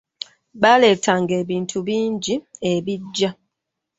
Baaleetanga ebintu bingi ebiggya.